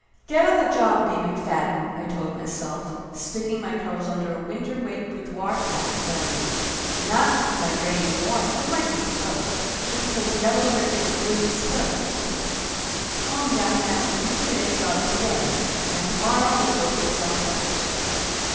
"Get on the job, B. McFadden," I told myself, stick ing my curls under a winter weight boudoir cap that I used, not to keep my brains warm as might be sup posed, but because yellow hair gets dirty so easy. "Calm down now, and do to day's job to day, and to morrow will dope itself out!"